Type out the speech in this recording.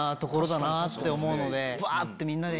ばってみんなで。